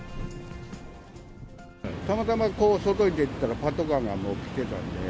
たまたま外に出てたらパトカーがもう来てたんで。